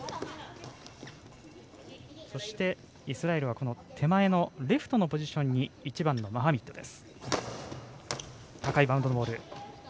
イスラエルは手前のレフトのポジションに１番のマハミッドです。